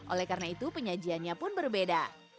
oleh karena itu penyajiannya pun berbeda